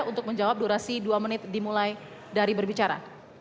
untuk menjawab durasi dua menit dimulai dari berbicara